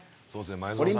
そうですよね。